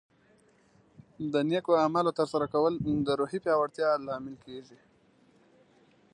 د نیکو اعمالو ترسره کول د روحیې پیاوړتیا لامل کیږي.